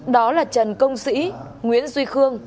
đó là trần công sĩ nguyễn duy khương